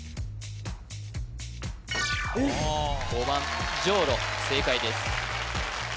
５番じょうろ正解です